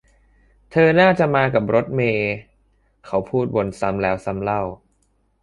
เธอน่าจะมากับรถเมย์ เขาพูดวนซ้ำแล้วซ้ำเล่า